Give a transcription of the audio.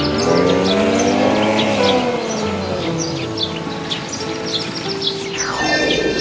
ketika penyihir itu ingin masuk